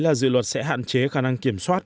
là dự luật sẽ hạn chế khả năng kiểm soát